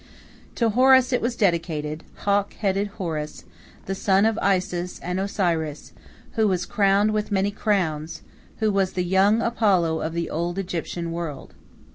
To Horus it was dedicated hawk headed Horus the son of Isis and Osiris, who was crowned with many crowns, who was the young Apollo of the old Egyptian world.